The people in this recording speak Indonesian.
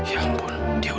ya ampun bu